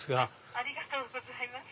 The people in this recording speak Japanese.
ありがとうございます。